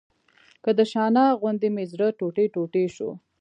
که د شانه غوندې مې زړه ټوټې ټوټې شو.